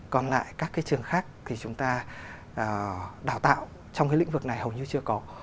còn lại các cái trường khác thì chúng ta đào tạo trong cái lĩnh vực này hầu như chưa có